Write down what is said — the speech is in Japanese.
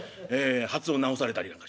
発音直されたりなんかしてね。